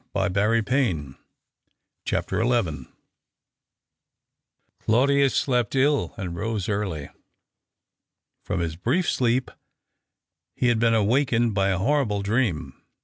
179 CHAPTER XL Claudius slept ill and rose early. From his brief sleep he had been awakened by a horrible dream.